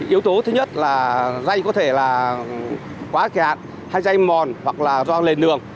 yếu tố thứ nhất là dây có thể là quá kẹt hay dây mòn hoặc là do lền đường